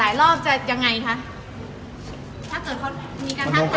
ถามหน่อยว่าทำไมพี่ยอมจับมือกับเขา